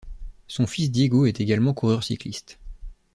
Son fils Diego est également coureur cycliste.